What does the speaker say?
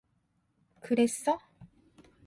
그랬어?